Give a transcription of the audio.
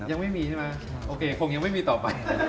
ยังไม่มีใช่ไหมโอเคคงยังไม่มีต่อไป